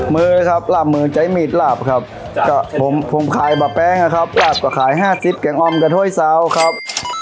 มือครับราบมือใจมีดราบครับผมขายบะแป๊งครับราบก็ขายห้าซิปแกงอ่อมกับถ้วยเสาครับ